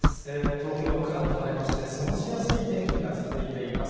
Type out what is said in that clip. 東京はからっと晴れまして、過ごしやすい天気が続いています。